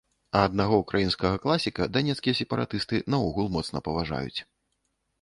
А аднаго ўкраінскага класіка данецкія сепаратысты наогул моцна паважаюць.